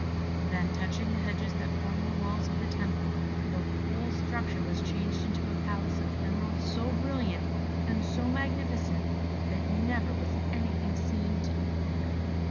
Then touching the hedges that formed the walls of the temple, the whole structure was changed into a palace of emeralds so brilliant and so magnificent, that never was anything seen to equal it.